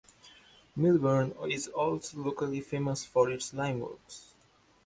Milburn is also locally famous for its limeworks.